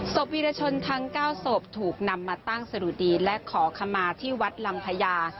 วีรชนทั้ง๙ศพถูกนำมาตั้งสะดุดีและขอขมาที่วัดลำพญา